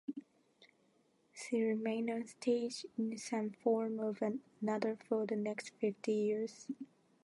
She remained on stage in some form or another for the next fifty years.